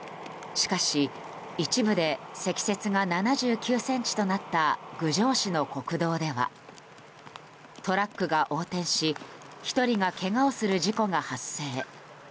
しかし、一部で積雪が７９ｃｍとなった郡上市の国道ではトラックが横転し１人がけがをする事故が発生。